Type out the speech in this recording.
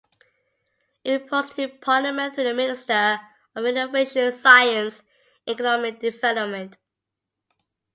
It reports to Parliament through the Minister of Innovation, Science and Economic Development.